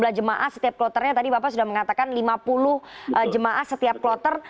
jumlah jemaah setiap kloternya tadi bapak sudah mengatakan lima puluh jemaah setiap kloter